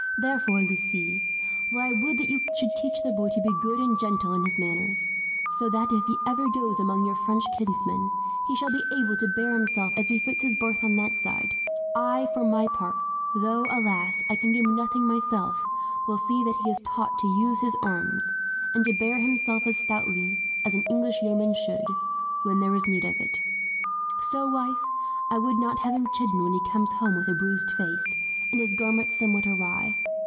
"Therefore, Lucie, while I would that you should teach the boy to be good and gentle in his manners, so that if he ever goes among your French kinsmen he shall be able to bear himself as befits his birth, on that side; I, for my part though, alas, I can do nothing myself will see that he is taught to use his arms, and to bear himself as stoutly as an English yeoman should, when there is need of it. "So, wife, I would not have him chidden when he comes home with a bruised face, and his garments somewhat awry.